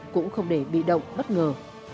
cũng không để bị động bất ngờ